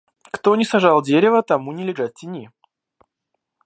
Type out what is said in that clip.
Кто не сажал дерева, тому не лежать в тени.